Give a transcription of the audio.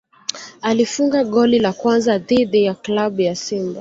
alifunga goli la kwanza dhidi ya klabu ya Simba